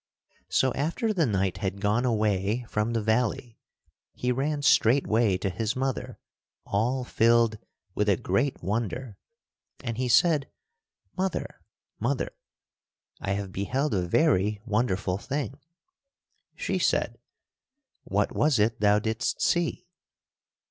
So, after the knight had gone away from the valley, he ran straightway to his mother, all filled with a great wonder, and he said: "Mother! Mother! I have beheld a very wonderful thing." She said, "What was it thou didst see?"